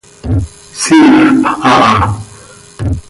Siifp aha.